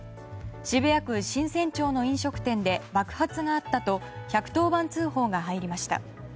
渋谷区神泉町の飲食店で爆発があったと１１０番通報が入りました。